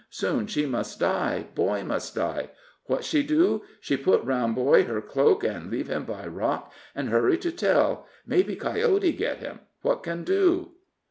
Soon she must die, boy must die. What she do? She put round boy her cloak, an' leave him by rock, an' hurry to tell. Maybe coyote get him. What can do?"